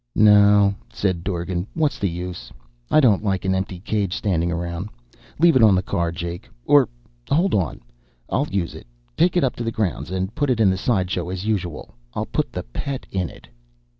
"No," said Dorgan. "What's the use? I don't like an empty cage standing around. Leave it on the car, Jake. Or hold on! I'll use it. Take it up to the grounds and put it in the side show as usual. I'll put the Pet in it."